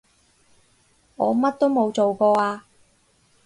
我乜都冇做過啊